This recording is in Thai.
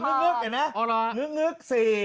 นึกเห็นไหมงึก๔